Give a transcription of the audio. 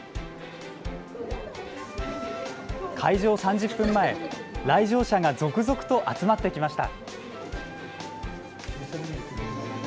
開場３０分前、来場者が続々と集まってきました。